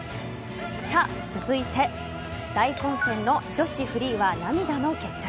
続いて大混戦の女子フリーは、涙の決着。